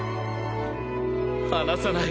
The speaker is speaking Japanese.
離さない。